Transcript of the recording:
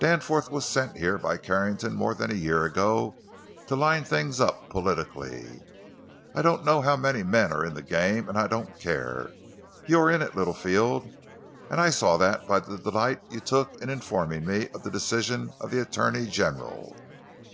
Danforth was sent here by Carrington more than a year ago to line things up, politically. I don't know how many are in the game—and I don't care. You are in it, Littlefield. I saw that by the delight you took in informing me of the decision of the attorney general.